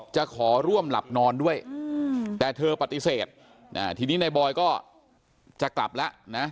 จะขอร่วมหลับนอนด้วยแต่เธอปฏิเสธทีนี้ในบอยก็จะกลับแล้วนะ